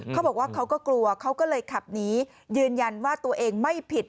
เขาบอกว่าเขาก็กลัวเขาก็เลยขับหนียืนยันว่าตัวเองไม่ผิด